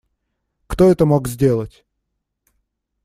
Кто это мог сделать?